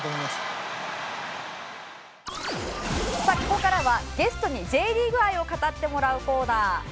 さあここからはゲストにＪリーグ愛を語ってもらうコーナー。